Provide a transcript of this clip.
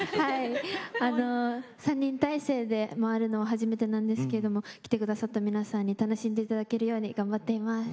３人体制で回るの初めてなんですけれども来て下さった皆さんに楽しんで頂けるように頑張っています。